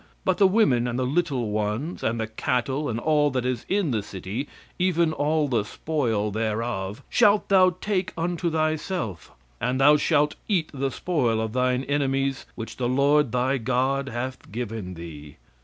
But the women and the little ones, and the cattle, and all that is in the city, even all the spoil thereof, shalt thou take unto thyself, and thou shalt eat the spoil of thine enemies which the Lord thy God hath given thee.